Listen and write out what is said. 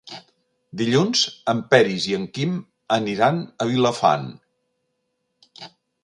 Dilluns en Peris i en Quim aniran a Vilafant.